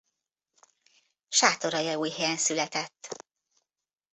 Sátoraljaújhelyen született.